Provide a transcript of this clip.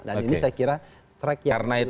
dan ini saya kira track yang lebih sempat